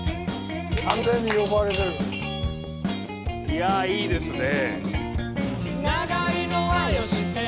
いやいいですね。